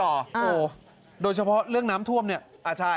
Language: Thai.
โอ้โหโดยเฉพาะเรื่องน้ำท่วมเนี่ยอ่าใช่